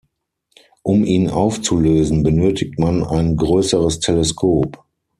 Um ihn aufzulösen benötigt man ein größeres Teleskop.